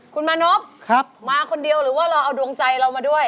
คุณมานพมาคนเดียวหรือว่าเราเอาดวงใจเรามาด้วย